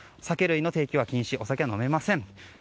酒類の提供は禁止お酒は飲めません。